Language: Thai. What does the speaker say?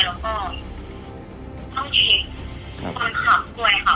แล้วก็ต้องเช็คคนขับปลอดภัย